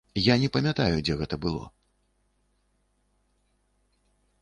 Я не памятаю, дзе гэта было.